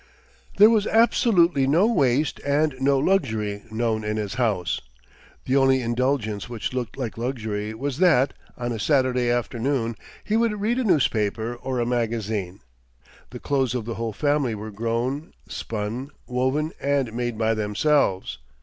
There was absolutely no waste and no luxury known in his house. The only indulgence which looked like luxury was that, on a Saturday afternoon, he would read a newspaper or a magazine. The clothes of the whole family were grown, spun, woven, and made by themselves.